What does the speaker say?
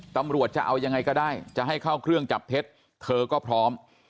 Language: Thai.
ตำรวจจะเอายังไงก็ได้จะให้เข้าเครื่องจับเท็จเธอก็พร้อม